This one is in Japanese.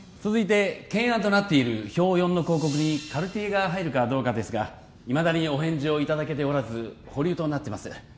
続いて懸案となっている表４の広告にカルティエが入るかどうかですがいまだにお返事をいただけておらず保留となってます